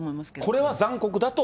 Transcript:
これは残酷だと思う？